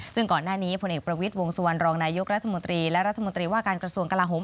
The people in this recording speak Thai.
ซึ่งก่อนหน้านี้พลเอกประวิทย์วงสุวรรณรองนายกรัฐมนตรีและรัฐมนตรีว่าการกระทรวงกลาโหม